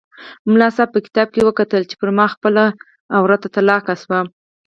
ملا صاحب په کتاب کې وکتل چې پر ما خپله عورته طلاقه شوه.